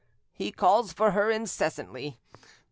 He calls for her incessantly.